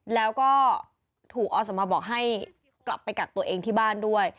แล้วก็ถูกอสมบอกให้กลับไปกักตัวเองที่บ้านด้วย